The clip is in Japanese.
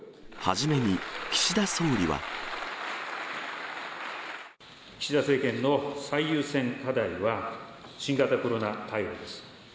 初めに、岸田総理は。岸田政権の最優先課題は、新型コロナ対応です。